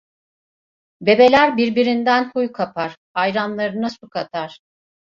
Bebeler birbirinden huy kapar, ayranlarına su katar.